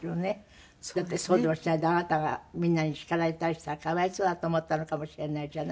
だってそうでもおっしゃらないとあなたがみんなに叱られたりしたら可哀想だと思ったのかもしれないじゃない。